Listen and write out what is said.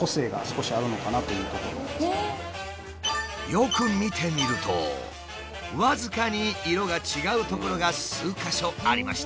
よく見てみると僅かに色が違う所が数か所ありました。